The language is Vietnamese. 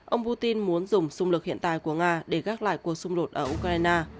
ông putin muốn dùng xung lực hiện tại của nga để gác lại cuộc xung đột ở ukraine